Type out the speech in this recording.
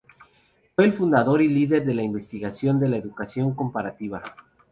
Fue el fundador y líder de la investigación de la educación comparativa.